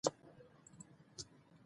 که ماشوم نا آرامه وي، مرسته یې وکړئ.